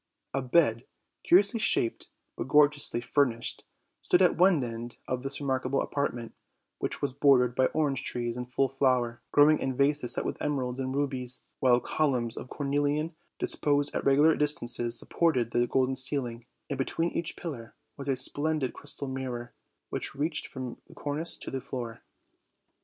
A bed, curiously shaped, but gorgeously furnished, stood at one end of this remarkable apartment, which was bordered by orange trees in full flower, growing in vases set with emeralds and rubies, "while columns of cornelian, disposed at regular distances, supported the golden ceiling, and between each pillar was a splendid crystal mirror, which reached from the cornice to the floor.